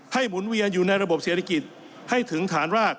หมุนเวียนอยู่ในระบบเศรษฐกิจให้ถึงฐานราก